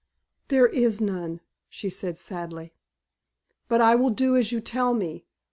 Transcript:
"There is none," she said sadly. "But I will do as you tell me.